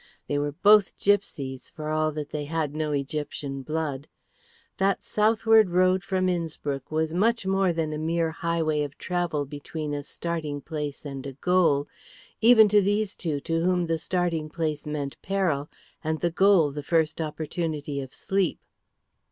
They were both gipsies, for all that they had no Egyptian blood. That southward road from Innspruck was much more than a mere highway of travel between a starting place and a goal, even to these two to whom the starting place meant peril and the goal the first opportunity of sleep.